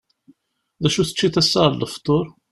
D acu teččiḍ assa ɣer lfeḍur?